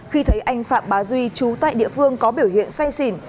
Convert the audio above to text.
khi thấy anh phạm bá duy trú tại địa phương có biểu hiện say xỉn